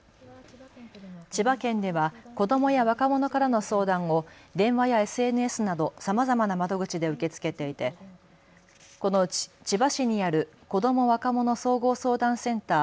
千葉県では子どもや若者からの相談を電話やＳＮＳなどさまざまな窓口で受け付けていてこのうち千葉市にある子ども・若者総合相談センター